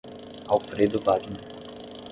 Alfredo Wagner